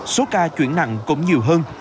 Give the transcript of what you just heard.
số ca chuyển nặng cũng nhiều hơn